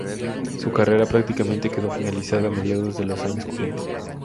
Su carrera prácticamente quedó finalizada a mediados de los años cuarenta.